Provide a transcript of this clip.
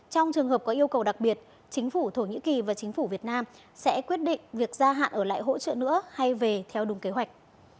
trong trường hợp có yêu cầu đặc biệt chính phủ thổ nhĩ kỳ và chính phủ việt nam sẽ quyết định việc gia hạn ở lại hỗ trợ nữa hay về theo đúng kế hoạch